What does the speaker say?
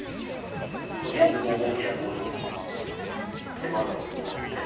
とりあえず５五桂や５四歩と迫るのが見えますね。